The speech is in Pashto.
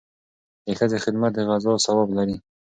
د ښځې خدمت د غزا ثواب لري.